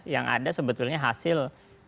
yang ada sebetulnya hasil